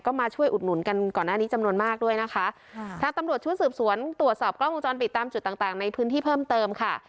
ก็มาช่วยอุดหนุนกันก่อนหน้านี้จำนวนมากด้วยนะคะค่ะทางตำรวจชุดสืบสวนตรวจสอบกล้องวงจรปิดตามจุดต่างต่างในพื้นที่เพิ่มเติมค่ะ